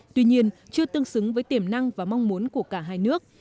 tuy nhiên chưa tương xứng với tiềm năng và mong muốn của cả hai nước